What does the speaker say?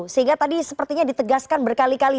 sehingga tadi sepertinya ditegaskan berkali kali